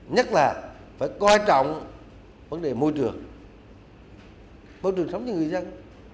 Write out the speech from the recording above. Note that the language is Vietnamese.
nhất là phải coi trọng vấn đề môi trường môi trường sống cho người dân